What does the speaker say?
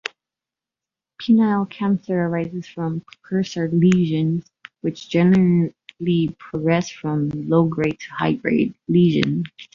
Penile cancer arises from precursor lesions, which generally progress from low-grade to high-grade lesions.